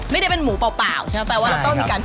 ไม่ได้เป็นหมูเปล่าใช่ไหมแปลว่าเราต้องมีการ